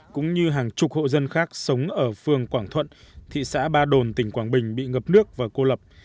cũng như hàng chục hộ dân khác sống ở phương quảng thuận thị xã ba đồn tỉnh quảng bình bị ngập nước và cô lập